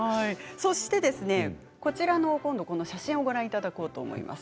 そして、こちらの写真をご覧いただこうと思います。